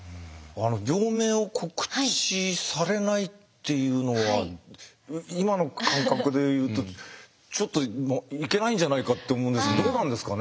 病名を告知されないっていうのは今の感覚で言うとちょっといけないんじゃないかって思うんですけどどうなんですかね。